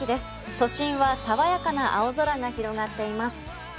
都心は爽やかな青空が広がっています。